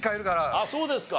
ああそうですか。